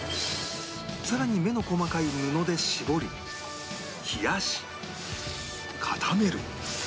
更に目の細かい布で絞り冷やし固める